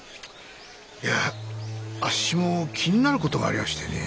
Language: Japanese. いやあっしも気になる事がありやしてね。